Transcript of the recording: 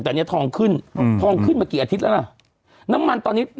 แต่เนี้ยทองขึ้นอืมทองขึ้นมากี่อาทิตย์แล้วล่ะน้ำมันตอนนี้